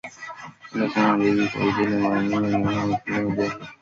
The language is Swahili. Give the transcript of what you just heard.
Pole sana Debby kwa ajili yako na Magreth nitawatafuta hawa watualiandika Jacob